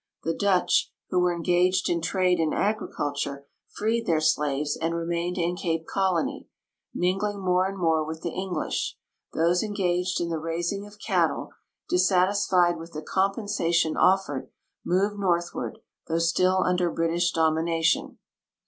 The Dutch, who were engaged in trade and agriculture, freed their slaves and remained in Cape Colon}', mingling more and more with the English ; those engaged in the raising of cat tle, dissatisfied with the compensation offered, moved north ward, though still under British dominion.